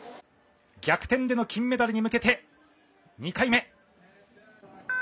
逆転での金メダルに向けて２回目。